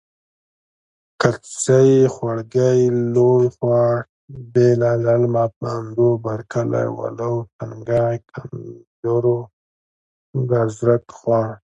کڅۍ.خوړګۍ.لوی خوړ.بیله.للمه.بانډو.برکلی. ولو تنګی.کنډرو.ګازرک خوړ.